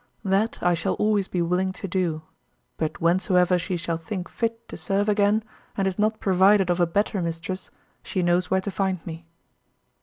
That I shall always be willing to do; but whensoever she shall think fit to serve again, and is not provided of a better mistress, she knows where to find me.